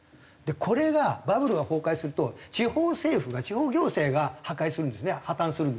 これがバブルが崩壊すると地方政府が地方行政が破壊するんですね破綻するんですよね。